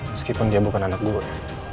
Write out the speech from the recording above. meskipun dia bukan anak guru